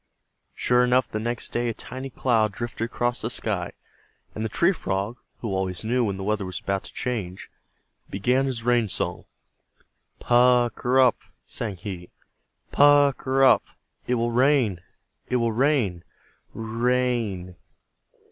Sure enough, the very next day a tiny cloud drifted across the sky, and the Tree Frog, who always knew when the weather was about to change, began his rain song. "Pukr r rup!" sang he, "Pukr r rup! It will rain! It will rain! R r r rain!"